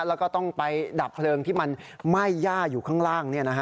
แล้วก็ต้องไปดับเพลิงที่มันไหม้ย่าอยู่ข้างล่าง